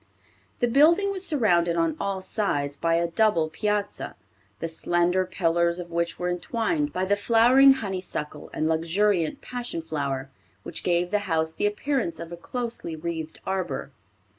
The building was surrounded on all sides by a double piazza, the slender pillars of which were entwined by the flowering honeysuckle and luxuriant passion flower, which gave the house the appearance of a closely wreathed arbor.